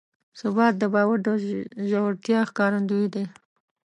ثبات د باور د ژورتیا ښکارندوی دی.